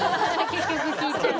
結局聞いちゃう。